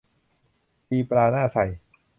ตีปลาหน้าไซ